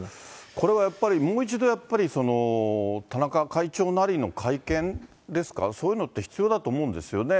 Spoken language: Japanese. これはやっぱり、もう一度、やっぱり田中会長なりの会見ですか、そういうのって必要だと思うんですよね。